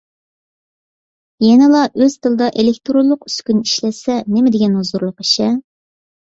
يەنىلا ئۆز تىلىدا ئېلېكتىرونلۇق ئۈسكۈنە ئىشلەتسە نېمىدېگەن ھۇزۇرلۇق ئىش-ھە.